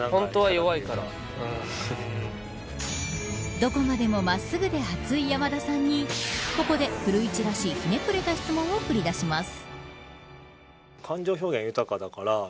どこまでも真っすぐで熱い山田さんにここで古市らしいひねくれた質問を繰り出します。